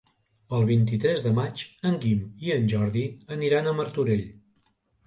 El vint-i-tres de maig en Guim i en Jordi aniran a Martorell.